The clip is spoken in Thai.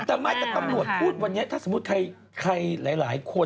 แต่ไม่แต่ตำรวจพูดวันนี้ถ้าสมมุติใครหลายคน